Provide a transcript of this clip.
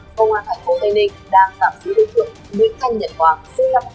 công an hải quốc tây ninh đang tạm giữ lưu thượng nguyễn thanh nhật hoàng sinh năm một nghìn chín trăm chín mươi năm